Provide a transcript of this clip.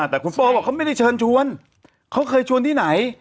แต่คุณปอบอกเขาไม่ได้เชิญชวนเขาเคยชวนที่ไหน